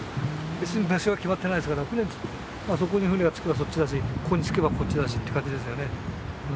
別に場所は決まってないですからそこに船が着けばそっちだしここに着けばこっちだしって感じですよね。